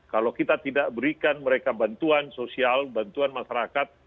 kalau kita tidak berikan mereka bantuan sosial bantuan masyarakat